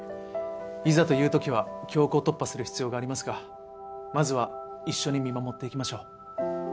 いざという時は強行突破する必要がありますがまずは一緒に見守っていきましょう。